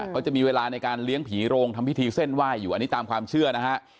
เขาจะมีเวลาในการเลี้ยงผีโรงทำพิธีเส้นไหว้อยู่อันนี้ตามความเชื่อนะฮะ